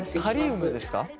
カリウムですか？